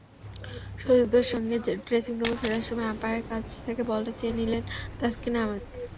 সতীর্থদের সঙ্গে ড্রেসিংরুমে ফেরার সময় আম্পায়ারের কাছ থেকে বলটা চেয়ে নিলেন তাসকিন আহমেদ।